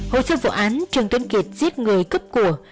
hồi xưa vụ án trương tuấn kiệt giết người cấp của